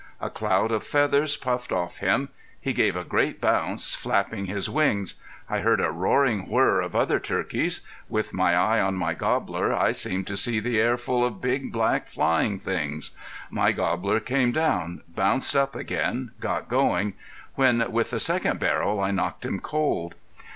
A cloud of feathers puffed off him. He gave a great bounce, flapping his wings. I heard a roaring whirr of other turkeys. With my eye on my gobbler I seemed to see the air full of big, black, flying things. My gobbler came down, bounced up again, got going when with the second barrel I knocked him cold.